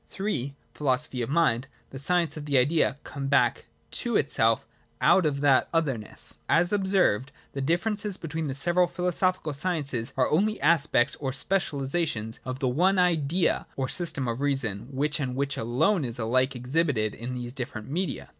III. The Philosophy of Mind: the science of the Idea come back to itself out of that otherness. As observed in § 15, the differences between the several philosophical sciences are only aspects or specialisations of the one Idea or system of reason, which and which alone is alike exhibited in these different media.